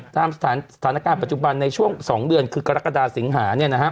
ตามสถานการณ์ปัจจุบันในช่วง๒เดือนคือกรกฎาสิงหา